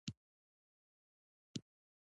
ګلداد ورته وویل: ولې دا څه له بلې نړۍ راغلي.